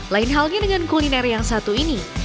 lain halnya dengan kuliner yang satu ini